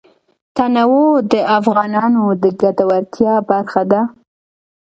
تنوع د افغانانو د ګټورتیا برخه ده.